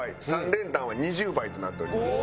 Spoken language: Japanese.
３連単は２０倍となっております。